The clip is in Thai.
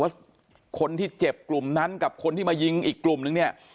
คนที่เจ็บกลุ่มนั้นกับคนที่มายิงอีกกลุ่มนึงเนี่ย